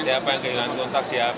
siapa yang kehilangan kontak siapa